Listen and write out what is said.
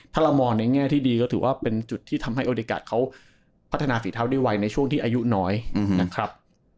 ถ้าเรามองในแง่ที่ดีก็ถือว่าเป็นจุดที่ทำให้โอเดะะเขาพัฒนาฝีเท้าได้ไวในช่วงที่อายุน้อยนะครับ